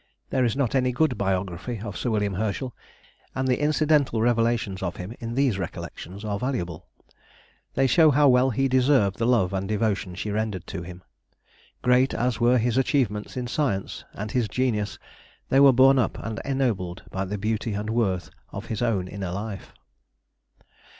There is not any good biography of Sir William Herschel, and the incidental revelations of him in these Recollections are valuable. They show how well he deserved the love and devotion she rendered to him. Great as were his achievements in science, and his genius, they were borne up and ennobled by the beauty and worth of his own inner life.